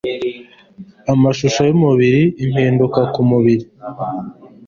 amashusho y'umubiri impinduka ku mubiri